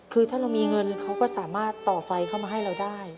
คือถ้าเรามีเงินเขาก็สามารถต่อไฟเข้ามาให้เราได้